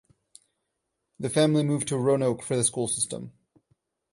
The family moved to Roanoke for the school system.